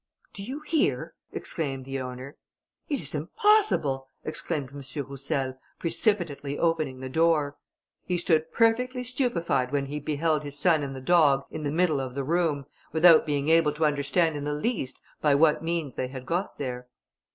"Do you hear?" exclaimed the owner. "It is impossible," exclaimed M. Roussel, precipitately opening the door. He stood perfectly stupified when he beheld his son and the dog in the middle of the room, without being able to understand in the least by what means they had got there.